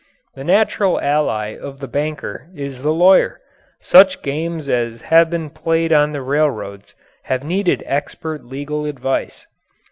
The natural ally of the banker is the lawyer. Such games as have been played on the railroads have needed expert legal advice.